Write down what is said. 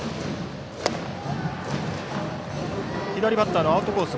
左バッターのアウトコース